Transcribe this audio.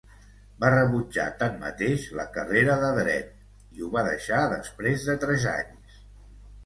Va rebutjar, tanmateix, la carrera de dret i ho va deixar després de tres anys.